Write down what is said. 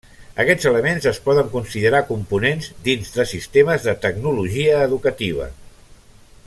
Aquests elements es poden considerar components dins de sistemes de tecnologia educativa.